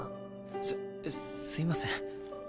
すすいません。